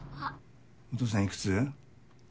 お父さんいくつ？